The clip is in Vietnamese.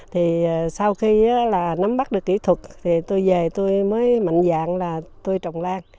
thì sau khi là nắm bắt được kỹ thuật thì tôi về tôi mới mạnh dạng là tôi trồng lan